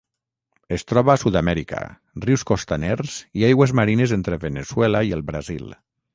Es troba a Sud-amèrica: rius costaners i aigües marines entre Veneçuela i el Brasil.